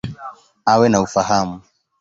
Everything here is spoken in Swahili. Awe na ufahamu.